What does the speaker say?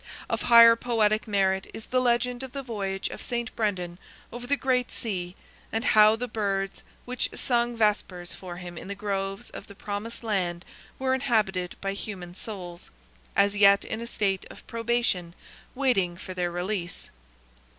Of higher poetic merit is the legend of the voyage of St. Brendan over the great sea, and how the birds which sung vespers for him in the groves of the Promised Land were inhabited by human souls, as yet in a state of probation waiting for their release!